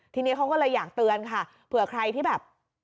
ทีนี้เขาก็เลยอยากเตือนค่ะเผื่อใครที่แบบ